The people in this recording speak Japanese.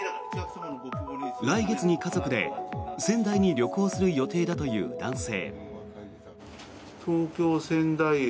来月に家族で、仙台に旅行する予定だという男性。